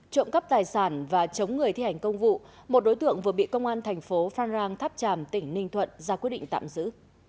trộm cắp tài sản và chống người thi hành công vụ một đối tượng vừa bị công an thành phố phan rang tháp tràm tỉnh ninh thuận ra quyết định tạm giữ